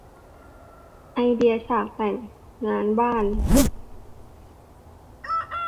ไอเดียฉากแต่งงานบ้าน